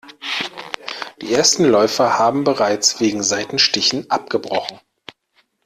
Die ersten Läufer haben bereits wegen Seitenstichen abgebrochen.